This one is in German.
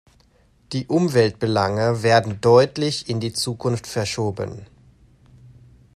Die Umweltbelange werden deutlich in die Zukunft verschoben.